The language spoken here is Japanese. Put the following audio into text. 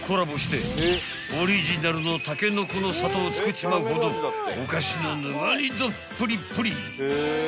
［オリジナルのたけのこの里を作っちまうほどお菓子の沼にどっぷりぷり］